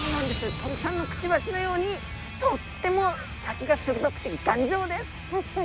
鳥さんのくちばしのようにとっても先がするどくてがんじょうです。